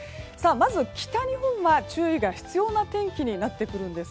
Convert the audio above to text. まず北日本は注意が必要な天気になってくるんです。